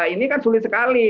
ini kan sulit sekali